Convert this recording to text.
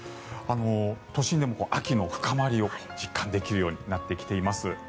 都心でも秋の深まりを実感できるようになってきています。